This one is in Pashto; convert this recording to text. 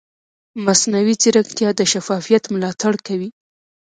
مصنوعي ځیرکتیا د شفافیت ملاتړ کوي.